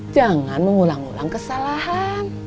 jangan mengulang ulang kesalahan